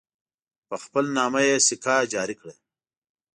په خپل نامه یې سکه جاري کړه.